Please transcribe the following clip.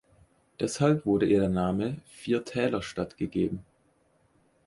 Deshalb wurde ihr der Name „Vier-Täler-Stadt“ gegeben.